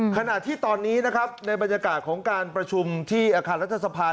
ขณะที่ตอนนี้นะครับในบรรยากาศของการประชุมที่อาคารรัฐสภา